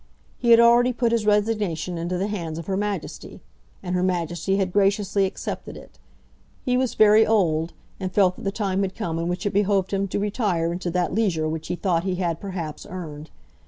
He had already put his resignation into the hands of Her Majesty, and Her Majesty had graciously accepted it. He was very old, and felt that the time had come in which it behoved him to retire into that leisure which he thought he had, perhaps, earned.